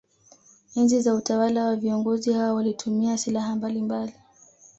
Enzi za utawala wa viongozi hao walitumia silaha mbalimbali